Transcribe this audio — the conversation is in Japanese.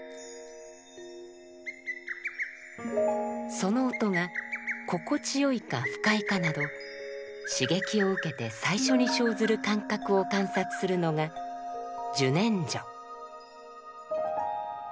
その音が心地よいか不快かなど刺激を受けて最初に生ずる感覚を観察するのが「受念処」。